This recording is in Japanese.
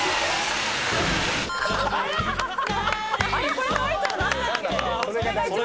これタイトル何だっけ？